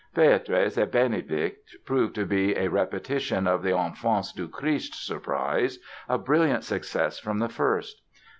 "Béatrice et Bénédict" proved to be a repetition of the "Enfance du Christ" surprise—a brilliant success from the first.